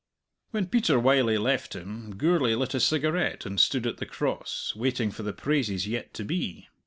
When Peter Wylie left him Gourlay lit a cigarette and stood at the Cross, waiting for the praises yet to be.